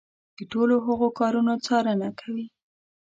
د ټولو هغو کارونو څارنه کوي.